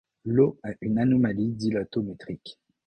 L’eau a une anomalie dilatométrique.